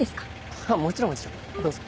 あぁもちろんもちろんどうぞ。